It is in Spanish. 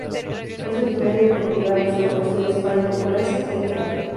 Es originaria de Portugal, suroeste de España, Francia e Italia.